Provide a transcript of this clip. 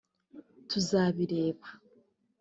tuzabireba”